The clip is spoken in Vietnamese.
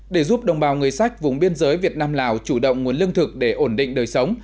để giúp đồng bào người sách vùng biên giới việt nam lào chủ động nguồn lương thực để ổn định đời sống